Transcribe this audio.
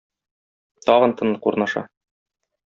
Тагын тынлык урнаша.